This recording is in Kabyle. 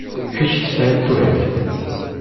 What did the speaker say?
Kečč tesɛid turagt.